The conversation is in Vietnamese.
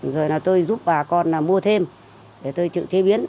rồi là tôi giúp bà con mua thêm để tôi tự chế biến